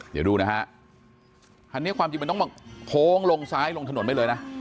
เดี๋ยวดูนะฮะอันนี้ความจริงมันต้องมาโค้งลงซ้ายลงถนนไปเลยนะ